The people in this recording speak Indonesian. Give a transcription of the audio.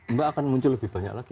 mbak akan muncul lebih banyak lagi